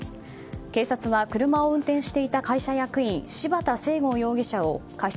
警察は車を運転していた会社役員芝田正剛容疑者を過失